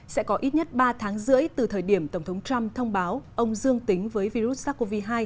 sẽ có ít nhất ba tháng rưỡi từ thời điểm tổng thống trump thông báo ông dương tính với virus sars cov hai